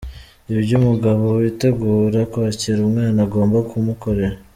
Ibyo umugabo witegura kwakira umwana agomba kumukorera .